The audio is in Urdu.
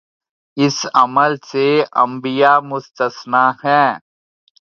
اس عمل سے انبیا مستثنی ہیں۔